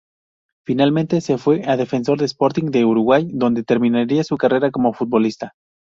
Finalmente se fue a Defensor Sporting de Uruguay donde terminaría su carrera como futbolista.